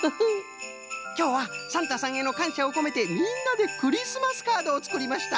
きょうはサンタさんへのかんしゃをこめてみんなでクリスマスカードをつくりました。